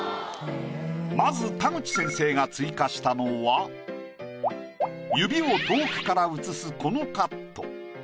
まず田口先生が追加したのは指を遠くから映すこのカット。